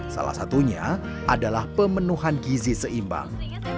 salah satunya adalah pemenuhan gizi seimbang